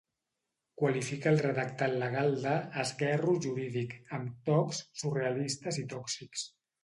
Qualifica el redactat legal de ‘esguerro jurídic’ amb tocs ‘surrealistes i tòxics’.